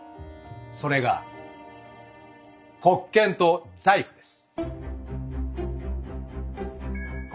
それが「国権」と「財富」です。